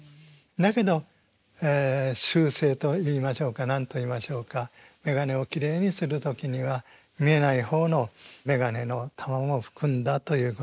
だけど習性といいましょうか何と言いましょうか眼鏡をきれいにする時には見えない方の眼鏡の玉も拭くんだということで。